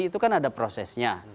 itu kan ada prosesnya